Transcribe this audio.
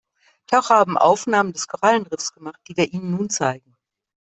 Taucher haben Aufnahmen des Korallenriffs gemacht, die wir Ihnen nun zeigen.